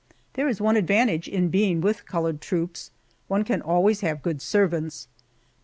There is one advantage in being with colored troops one can always have good servants.